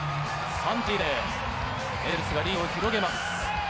３対０エンジェルスがリードを広げます。